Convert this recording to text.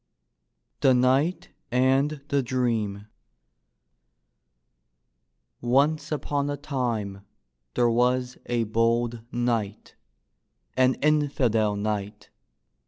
THE KNIGHT AND THE DREAM Once upon a time there was a bold knight, an infidel knight.